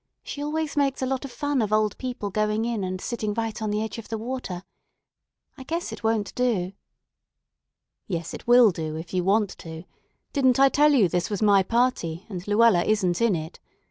She always makes a lot of fun of old people going in and sitting right on the edge of the water. I guess it won't do." "Yes, it will do, if you want to. Didn't I tell you this was my party, and Luella isn't in it?